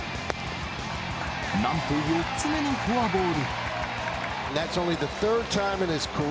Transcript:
なんと４つ目のフォアボール。